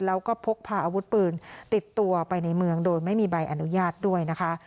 แล้วก็พกพาอาวุธปืนติดตัวไปในเมืองโดยไม่มีใบอนุญาตด้วยนะคะ